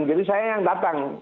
jadi saya yang datang